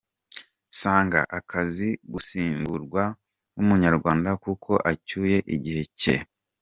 Sang, akaza gusimburwa n’Umunyarwanda kuko acyuye igihe cye.